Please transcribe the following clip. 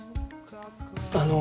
あの。